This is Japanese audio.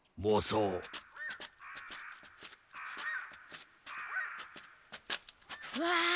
うわ！